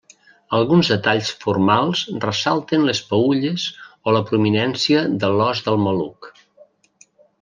Alguns detalls formals ressalten les peülles o la prominència de l'os del maluc.